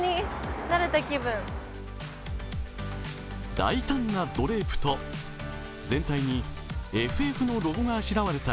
大胆なドレープと全体にＦＦのロゴがあしらわれた